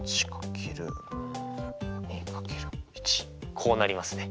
こうなりますね。